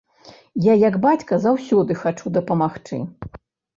Я як бацька заўсёды хачу дапамагчы.